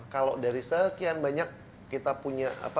kalau dari sekian banyak kita punya